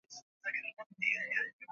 rose alikaa na watoto wa abbott hadi mwisho